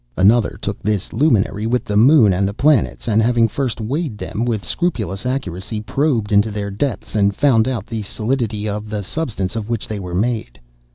(*33) Another took this luminary with the moon and the planets, and having first weighed them with scrupulous accuracy, probed into their depths and found out the solidity of the substance of which they were made.